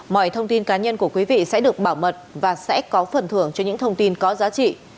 mọi thông tin cá nhân của quý vị sẽ được bảo mật và sẽ có phần thưởng cho những thông tin có giá trị